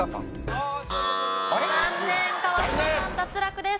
川島さん脱落です。